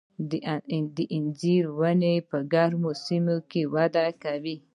د انځرو ونې په ګرمو سیمو کې وده کوي.